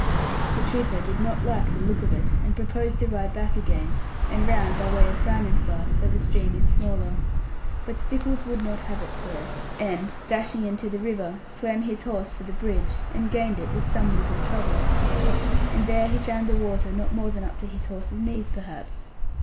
The trooper did not like the look of it, and proposed to ride back again, and round by way of Simonsbath, where the stream is smaller. But Stickles would not have it so, and dashing into the river, swam his horse for the bridge, and gained it with some little trouble; and there he found the water not more than up to his horse's knees perhaps.